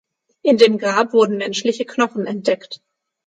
In dem Grab wurden menschliche Knochen entdeckt.